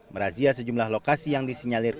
merazia sejumlah lokasi yang disinyalir